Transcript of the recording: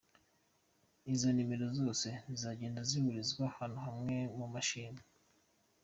Izo nimero zose ziragenda zigahurizwa ahantu hamwe mu mashini.